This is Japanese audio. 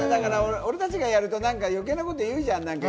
俺たちがやると余計なこと言うじゃん。